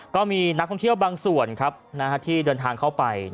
ก็มีนักท่องเที่ยวบางส่วนครับที่เดินทางเข้าไป